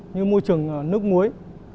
như môi trường nước muối